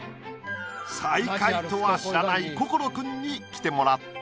最下位とは知らない心君に着てもらった。